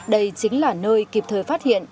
đây chính là nơi kịp thời phát hiện